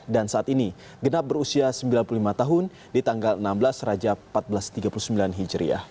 saat ini genap berusia sembilan puluh lima tahun di tanggal enam belas raja seribu empat ratus tiga puluh sembilan hijriah